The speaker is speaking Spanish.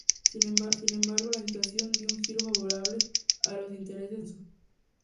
Sin embargo, la situación dio un giro favorable a los intereses de Alfonso.